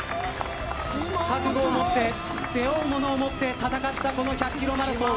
覚悟を持って背負うものを持って戦った、この１００ｋｍマラソン。